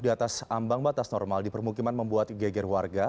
di atas ambang batas normal di permukiman membuat geger warga